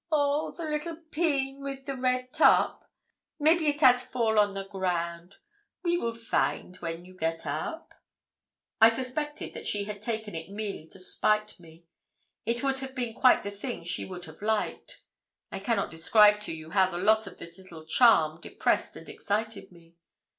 'Oh! the little pin with the red top? maybe it 'as fall on the ground; we weel find when you get up.' I suspected that she had taken it merely to spite me. It would have been quite the thing she would have liked. I cannot describe to you how the loss of this little 'charm' depressed and excited me.